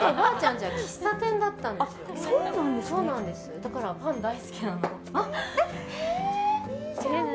だからパン大好きなの。